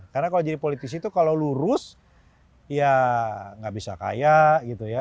karena kalau jadi politisi itu kalau lurus ya nggak bisa kaya gitu ya